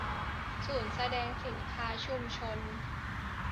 ศูนย์แสดงสินค้าชุมชน